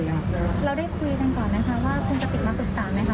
เราได้คุยกันก่อนไหมคะว่าคุณกติกมาปรึกษาไหมคะ